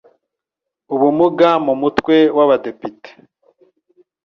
ubumuga mu Mutwe w Abadepite